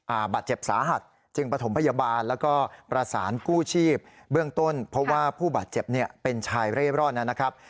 บาดเจ็บสาหัสจึงประถมพยาบาลแล้วก็ประสานกู้ชีพเบื้องต้นเพราะว่าผู้บาดเจ็บเนี่ยเป็นชายเร่ร่อนนะครับ